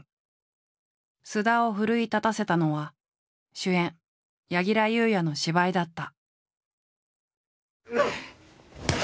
菅田を奮い立たせたのは主演柳楽優弥の芝居だった。